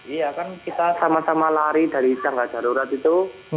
iya kan kita sama sama lari dari tangga darurat itu